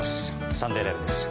「サンデーＬＩＶＥ！！」です。